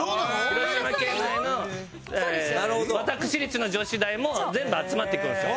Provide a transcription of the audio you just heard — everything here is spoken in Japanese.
広島県内の私立の女子大も全部集まってくるんですよ。